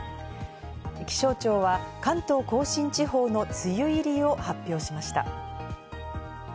気象庁は関東甲信地方の梅雨入りを発表しました。